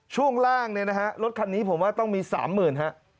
ช่วงล่างรถคันนี้ผมว่าต้องมี๓๐๐๐๐บาท